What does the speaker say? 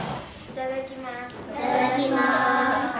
いただきます